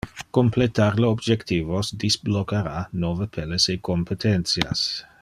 Completar le objectivos disblocara nove pelles e competentias.